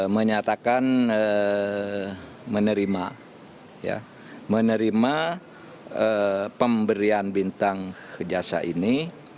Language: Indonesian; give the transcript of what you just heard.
menyatakan menerima pemberian bintang jasa ini